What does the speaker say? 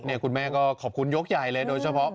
คุณแม่ก็ขอบคุณยกใหญ่เลยโดยเฉพาะ